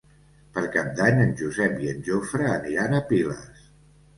Per Cap d'Any en Josep i en Jofre aniran a Piles.